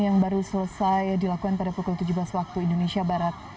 yang baru selesai dilakukan pada pukul tujuh belas waktu indonesia barat